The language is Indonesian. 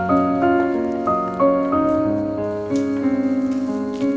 aku mau ke sana